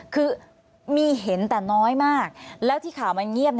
คือมีเห็นแต่น้อยมากแล้วที่ข่าวมันเงียบ